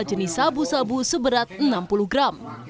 jenis sabu sabu seberat enam puluh gram